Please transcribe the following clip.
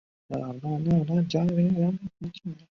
康熙二十八年升迁为内阁学士。